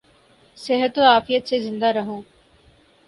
صحت و عافیت سے زندہ رہوں